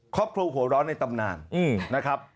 ครอบครัวหัวร้อนในตำนานนะครับ